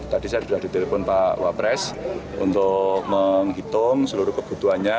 tadi saya sudah ditelepon pak wapres untuk menghitung seluruh kebutuhannya